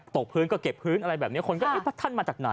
ตกพื้นก็เก็บพื้นอะไรแบบนี้คนก็พระท่านมาจากไหนอะไรแบบนี้ฮะ